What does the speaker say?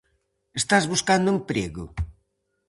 Estás buscando emprego?